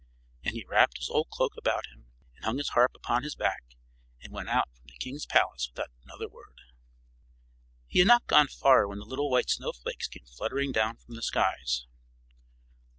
And he wrapped his old cloak about him, and hung his harp upon his back, and went out from the king's palace without another word. He had not gone far when the little white snow flakes came fluttering down from the skies.